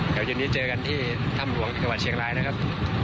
เดี๋ยววันนี้เจอกันที่ธรรมหลวงจิตรรวรรณเชียงรายนะครับ